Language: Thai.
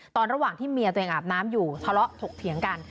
ระหว่างที่เมียตัวเองอาบน้ำอยู่ทะเลาะถกเถียงกัน